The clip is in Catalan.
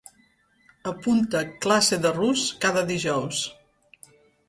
Apunta classe de rus cada dijous.